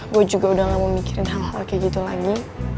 gue juga udah gak mau mikirin hal hal kayak gitu lagi